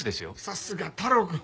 さすが太郎くん。